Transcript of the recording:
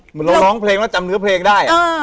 เหมือนเราร้องเพลงแล้วจำเนื้อเพลงได้